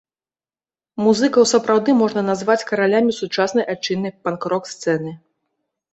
Музыкаў сапраўдны можна назваць каралямі сучаснай айчыннай панк-рок сцэны.